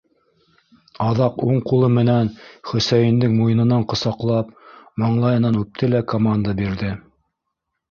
Аҙаҡ уң ҡулы менән Хөсәйендең муйынынан ҡосаҡлап, маңлайынан үпте лә команда бирҙе: